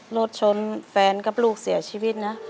รถชนแฟนกับลูกเสียชีวิตนะ